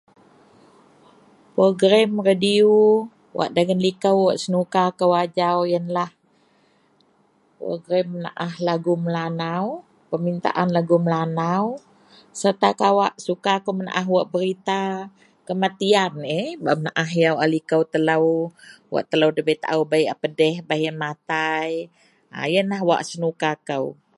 program radiou wak dagen liko wak senuka kou ajau ienlah program menaah lagu Melanau, permintaan lagu Melanau serta kawak suka kou menaah wak berita kematian laie yeh, bah menaah yau liko telou wak telou dabei taau bei a pedih baih ien matai, a wak ienlah senuka kou